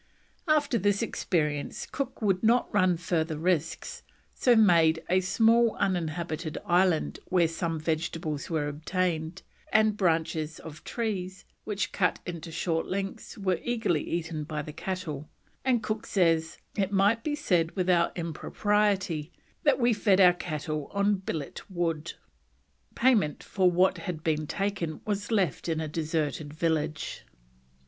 After this experience Cook would not run further risks, so made for a small uninhabited island where some vegetables were obtained and branches of trees, which, cut into short lengths, were eagerly eaten by the cattle, and Cook says: "It might be said, without impropriety, that we fed our cattle on billet wood." Payment for what had been taken was left in a deserted village.